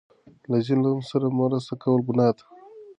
له ظالم سره مرسته کول ګناه ده.